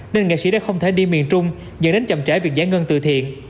nên nghệ sĩ đã không thể đi miền trung dẫn đến chậm trễ việc giải ngân từ thiện